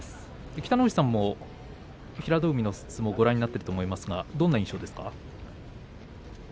北の富士さんは平戸海の相撲をご覧になっていると思いますがどんな印象ですか？